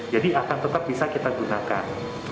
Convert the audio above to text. jadi akan tetap bisa kita gunakan